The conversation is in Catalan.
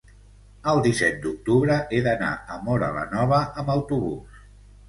el disset d'octubre he d'anar a Móra la Nova amb autobús.